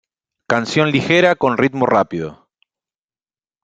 Canción ligera con ritmo rápido.